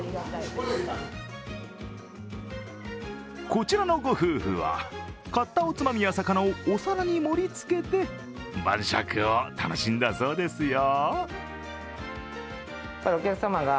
こちらのご夫婦は、買ったおつまみや魚をお皿に盛りつけて晩酌を楽しんだそうですよ。